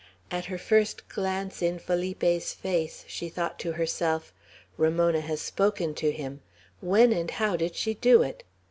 At her first glance in Felipe's face, she thought to herself, "Ramona has spoken to him. When and how did she do it?"